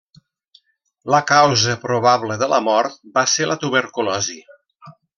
La causa probable de la mort va ser la tuberculosi.